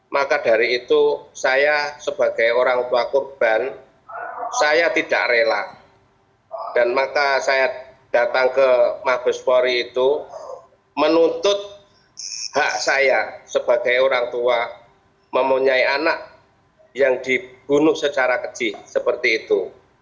mbah bespori itu menuntut hak saya sebagai orang tua mempunyai anak yang dibunuh secara keji seperti itu